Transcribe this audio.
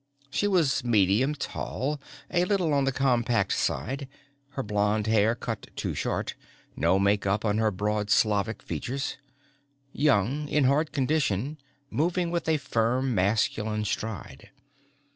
She was medium tall, a little on the compact side, her blond hair cut too short, no makeup on her broad Slavic features. Young, in hard condition, moving with a firm masculine stride.